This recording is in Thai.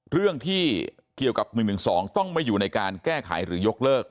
เรื่องที่เกี่ยวกับ๑๑๒ต้องไม่อยู่ในการแก้ไขหรือยกเลิก